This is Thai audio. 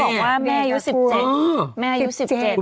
เนี่ยบอกว่าแม่อยู่๑๗